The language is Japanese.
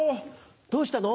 どうしたの？